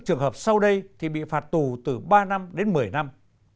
hai trường hợp sau đây thì bị phạt tù từ ba năm đến một mươi năm